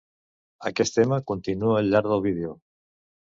Aquest tema continua al llarg del vídeo.